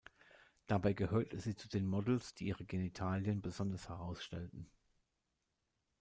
Dabei gehörte sie zu den Modells, die ihre Genitalien besonders herausstellten.